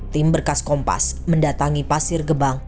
tim berkas kompas mendatangi pasir gebang